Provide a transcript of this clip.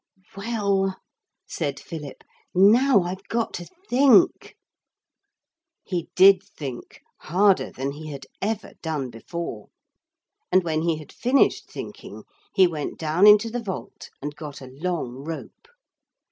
'Well,' said Philip, 'now I've got to think.' He did think, harder than he had ever done before. And when he had finished thinking he went down into the vault and got a long rope.